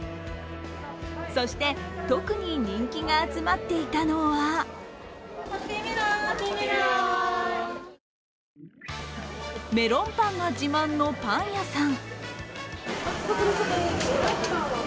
そして、特に人気が集まっていたのはメロンパンが自慢のパン屋さん。